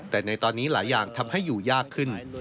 แต่ในตอนนี้หลายอย่างทำให้อยู่ยากขึ้น